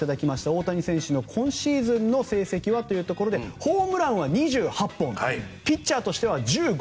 大谷選手の今シーズンの成績はというところでホームランは２８本ピッチャーとしては１５勝。